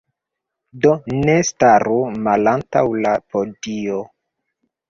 Do, ne staru malantaŭ la podio.